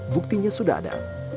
buktinya sudah ada